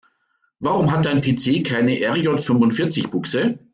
Warum hat dein PC keine RJ-fünfundvierzig-Buchse?